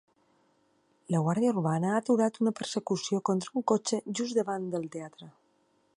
La guàrdia urbana ha aturat una persecució contra un cotxe just davant del teatre.